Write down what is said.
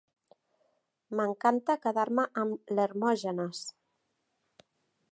M'encanta quedar-me amb l'Hermògenes.